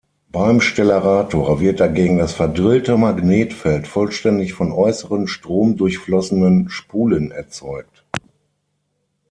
Beim Stellarator wird dagegen das verdrillte Magnetfeld vollständig von äußeren stromdurchflossenen Spulen erzeugt.